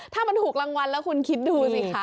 ถ้ามันถูกรางวัลแล้วคุณคิดดูสิคะ